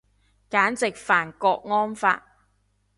簡直犯郭安發